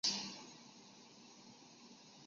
他向这群学长学习了不少推理小说的知识。